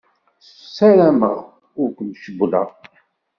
Ssarameɣ ur k-cewwleɣ.